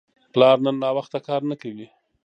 پلار نن ناوخته کار نه کوي.